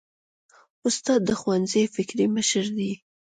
استاد د ښوونځي فکري مشر دی.